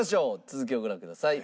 続きをご覧ください。